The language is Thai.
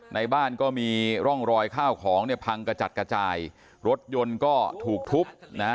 ในบ้านก็มีร่องรอยข้าวของเนี่ยพังกระจัดกระจายรถยนต์ก็ถูกทุบนะฮะ